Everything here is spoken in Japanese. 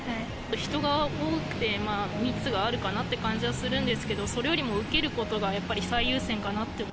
人が多くて、密があるかなって感じはするんですけど、それよりも受けることがやっぱり最優先かなって。